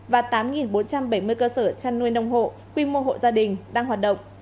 và tám bốn trăm bảy mươi cơ sở chăn nuôi nông hộ quy mô hộ gia đình đang hoạt động